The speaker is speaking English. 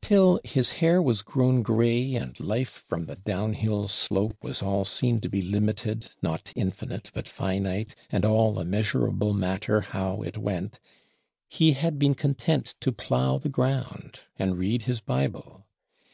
Till his hair was grown gray; and Life from the down hill slope was all seen to be limited, not infinite but finite, and all a measurable matter how it went, he had been content to plow the ground, and read his Bible.